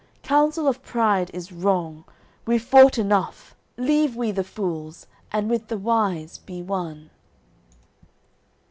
Counsel of pride is wrong: we've fought enough. Leave we the fools, and with the wise be one."